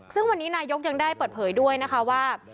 ซึ่งวันนี้นายกยังได้เปิดเผยด้วยนะคะว่า